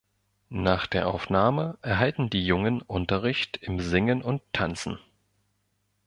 Nach der Aufnahme erhalten die Jungen Unterricht im Singen und Tanzen.